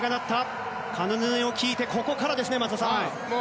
鐘の音を聞いてここからですね、松田さん。